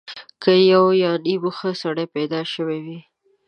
که یو یا نیم ښه سړی پیدا شوی وي.